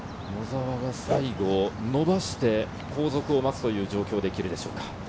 野澤が最後、伸ばして、後続を待つという状況ができるでしょうか？